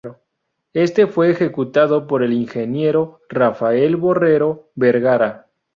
Este fue ejecutado por el ingeniero Rafael Borrero Vergara.